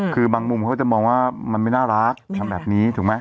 คือบางมุมเขาก็จะมองว่ามันไม่น่ารักทำแบบนี้ถูกไหม